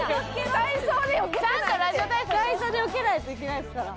体操でよけないといけないんですから。